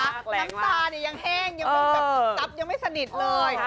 คุณค่ะน้ำตาเนี่ยยังแห้งยังไม่สนิทเลย